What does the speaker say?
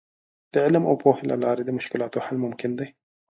د علم او پوهې له لارې د مشکلاتو حل ممکن دی.